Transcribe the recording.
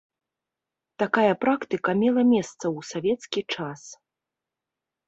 Такая практыка мела месца ў савецкі час.